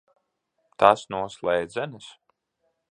Tas no slēdzenes?